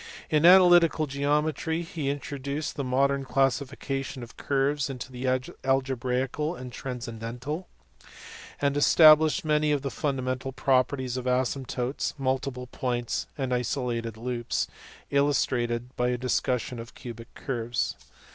In analytical geometry, he intro duced the modern classification of curves into algebraical and transcendental ; and established many of the fundamental properties of asymptotes, multiple points, and isolated loops, illustrated by a discussion of cubic curves.